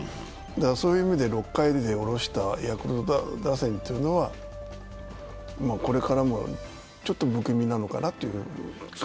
そういう意味で６回で降ろしたヤクルト打線というのはこれからもちょっと不気味なのかなという感じです。